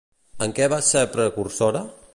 En què va ser precursora?